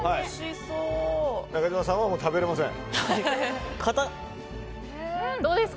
中島さんは食べれません。